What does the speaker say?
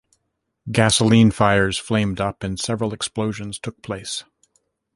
Gasoline fires flamed up and several explosions took place.